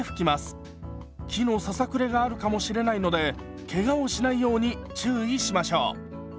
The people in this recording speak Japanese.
木のささくれがあるかもしれないのでけがをしないように注意しましょう。